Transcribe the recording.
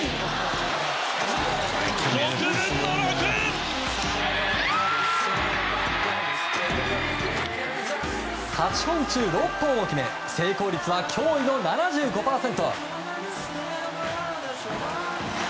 ６分の６！８本中６本を決め成功率は驚異の７５％。